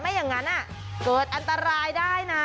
อย่างนั้นเกิดอันตรายได้นะ